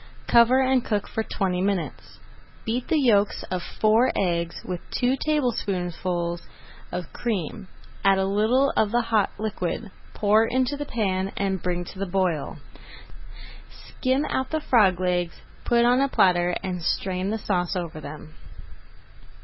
Cover and cook for twenty minutes. Beat the yolks of four eggs with [Page 155] two tablespoonfuls of cream, add a little of the hot liquid, pour into the pan, and bring to the boil. Skim out the frog legs, put on a platter, and strain the sauce over them.